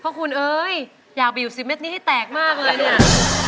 เพราะคุณเอ้ยอยากไปอยู่๑๐เมตรนี้ให้แตกมากเลยเนี่ย